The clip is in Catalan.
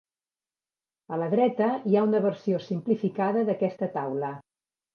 A la dreta hi ha una versió simplificada d'aquesta taula.